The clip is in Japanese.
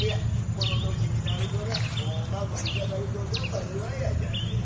この年になるとなもう孫にかかるとさっぱりわやじゃで。